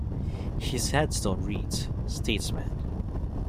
His headstone reads, Statesman.